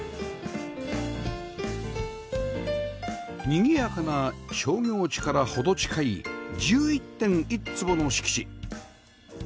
にぎやかな商業地から程近い １１．１ 坪の敷地